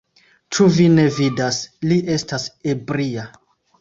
Ĉu vi ne vidas, li estas ebria.